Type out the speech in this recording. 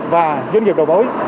và doanh nghiệp đầu mối